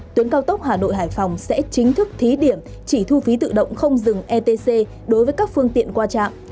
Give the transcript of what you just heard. tuyến cao tốc hà nội hải phòng sẽ chính thức thí điểm chỉ thu phí tự động không dừng etc đối với các phương tiện qua trạm